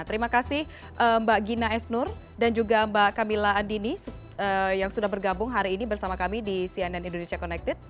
terima kasih mbak gina esnur dan juga mbak camilla andini yang sudah bergabung hari ini bersama kami di cnn indonesia connected